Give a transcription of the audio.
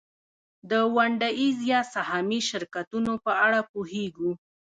د ونډه ایز یا سهامي شرکتونو په اړه پوهېږو